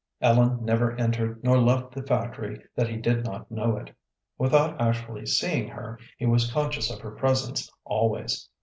Ellen never entered nor left the factory that he did not know it. Without actually seeing her, he was conscious of her presence always.